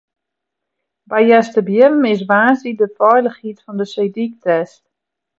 By Easterbierrum is woansdei de feilichheid fan de seedyk test.